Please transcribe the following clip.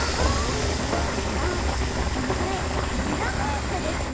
あっこれフラフープですね。